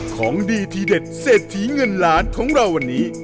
ของดีทีเด็ดเศรษฐีเงินล้านของเราวันนี้